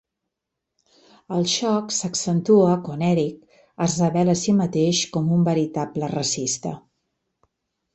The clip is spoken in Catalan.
El xoc s’accentua quan Eric es revela a si mateix com un veritable racista.